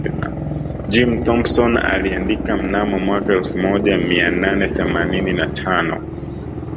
Jim Thompson aliandika mnamo mwaka elfu moja mia nane themanini na tano